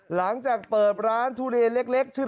หลังจากเปิดร้านทุเรียนเล็กชื่อ